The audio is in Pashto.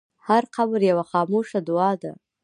هر قبر یوه خاموشه دعا ده.